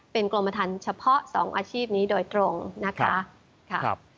เป็นกรมฐานเฉพาะ๒อาชีพนี้โดยตรงนะคะ